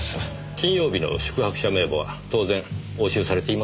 金曜日の宿泊者名簿は当然押収されていますよね？